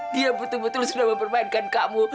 dia betul betul sudah mempermainkan kamu